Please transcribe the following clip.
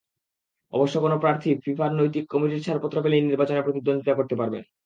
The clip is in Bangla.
অবশ্য কোনো প্রার্থী ফিফার নৈতিক কমিটির ছাড়পত্র পেলেই নির্বাচনে প্রতিদ্বন্দ্বিতা করতে পারবেন।